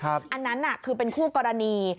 อันนั้นคือเป็นคู่กรณี